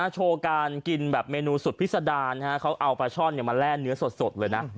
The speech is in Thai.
โชว์การกินแบบเมนูสุดพิษดารเขาเอาปลาช่อนมาแร่เนื้อสดเลยนะ